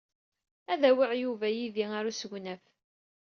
Ad awiɣ Yuba yid-i ɣer usegnaf.